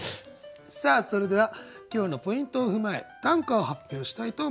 さあそれでは今日のポイントを踏まえ短歌を発表したいと思います。